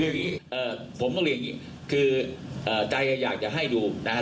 คือผมต้องเรียกอย่างงี้คือใจอยากจะให้ดูนะครับ